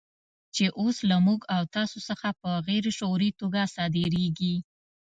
چې اوس له موږ او تاسو څخه په غیر شعوري توګه صادرېږي.